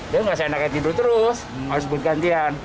dia nggak seandainya tidur terus harus buat gantian